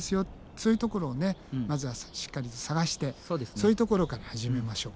そういうところをまずはしっかりと探してそういうところから始めましょう。